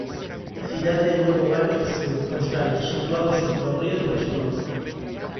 Cidade de Novo Gales do Sur, Australia, situada xunta o río do mesmo nome.